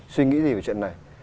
suy nghĩ gì về chuyện này